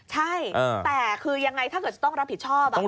ใช่แต่คือยังไงถ้าเกิดจะต้องรับผิดชอบ